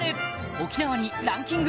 沖縄にランキング